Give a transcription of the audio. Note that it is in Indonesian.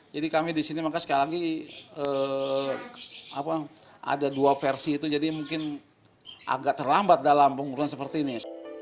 jadi kami di sini sekali lagi ada dua versi itu jadi mungkin agak terlambat dalam pengurusan seperti ini